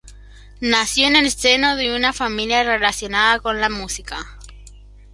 Nació en el seno de una familia relacionada con la música.